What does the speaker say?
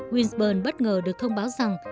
winsburn bất ngờ được thông báo rằng